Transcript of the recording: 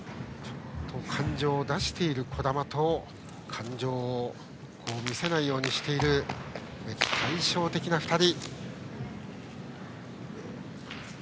感情を出している児玉と感情を見せないようにしている梅木という対照的な２人。